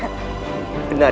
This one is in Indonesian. tidak ada masalah